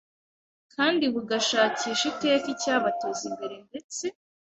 kandi bugashakisha iteka icyabateza imbere ndetse